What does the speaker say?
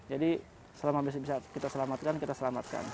jadi selama bisa kita selamatkan kita selamatkan